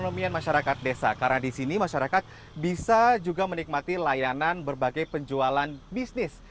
masyarakat juga bisa menikmati pelayanan berbagai penjualan bisnis